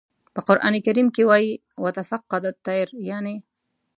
په قرآن کریم کې وایي "و تفقد الطیر" یانې.